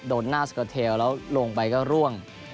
โดนหน้าสเกอร์เทลแล้วลงไปก็ร่วง